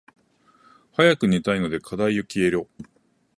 早く寝たいので課題よ消えろ。